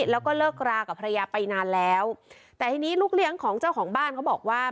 แล้วก็เลิกรากับภรรยาไปนานแล้วแต่ทีนี้ลูกเลี้ยงของเจ้าของบ้านเขาบอกว่า